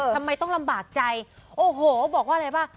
ทำไมต้องลำบากใจโอ้โหบอกว่าอะไรป่ะ